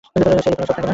Sell এ কোনো ছোপ থাকে না।